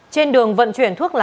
trên đường vận chuyển thuốc lái